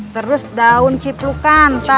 terus daun ciplukan